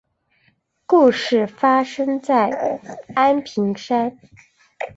故事发生在安平山。